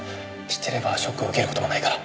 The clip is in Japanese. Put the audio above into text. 知ってればショックを受ける事もないから。